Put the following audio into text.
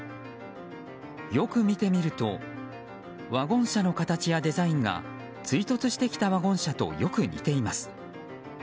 よく見てみるとワゴン車の形やデザインが追突してきたワゴン車とよく似ています。